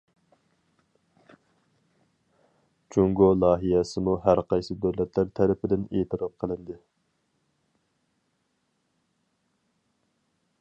جۇڭگو لايىھەسىمۇ ھەر قايسى دۆلەتلەر تەرىپىدىن ئېتىراپ قىلىندى.